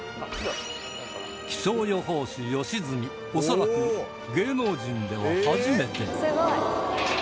気象予報士良純恐らく芸能人では初めて